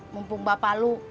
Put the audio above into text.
mumpung bapak lu